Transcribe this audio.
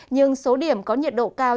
nhưng số điểm có nhiệt độ cao